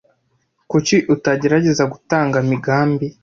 Kuki utagerageza gutanga Migambi ?